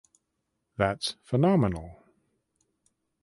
That’s phenomenal.